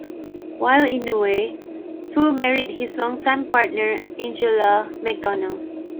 While in Niue, Fu married his long-time partner Angela McDonald.